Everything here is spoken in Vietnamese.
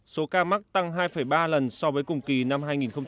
số ca mắc tăng hai ba lần so với cùng kỳ năm hai nghìn một mươi tám